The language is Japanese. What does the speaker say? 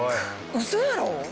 ウソやろ？